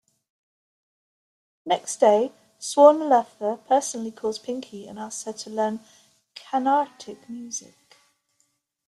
Next day Swarnalatha personally calls pinky and asks her to learn Carnatic Music.